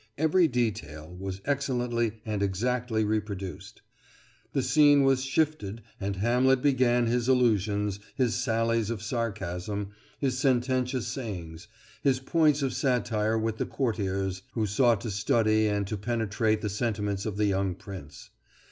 Every detail was excellently and exactly reproduced. The scene was shifted, and Hamlet began his allusions, his sallies of sarcasm, his sententious sayings, his points of satire with the courtiers, who sought to study and to penetrate the sentiments of the young prince.